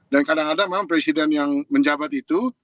dan kadang kadang memang presiden yang menjabat itu